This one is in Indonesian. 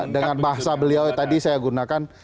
dengan bahasa beliau tadi saya gunakan